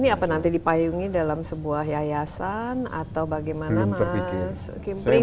ini apa nanti dipayungi dalam sebuah yayasan atau bagaimana mas kimpling